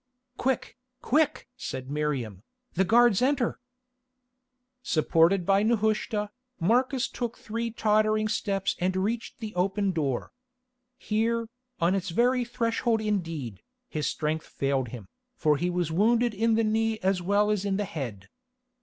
"Quick, quick!" said Miriam, "the guards enter." Supported by Nehushta, Marcus took three tottering steps and reached the open door. Here, on its very threshold indeed, his strength failed him, for he was wounded in the knee as well as in the head.